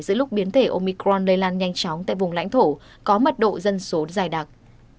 giữa lúc biến thể omicron lây lan nhanh chóng tại vùng lãnh thổ có mật độ dân số dài đặc